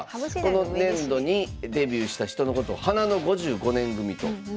この年度にデビューした人のことを花の５５年組と。